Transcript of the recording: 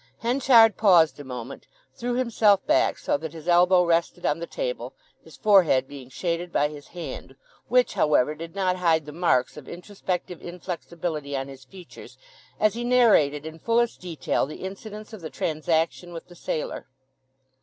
Henchard paused a moment, threw himself back so that his elbow rested on the table, his forehead being shaded by his hand, which, however, did not hide the marks of introspective inflexibility on his features as he narrated in fullest detail the incidents of the transaction with the sailor.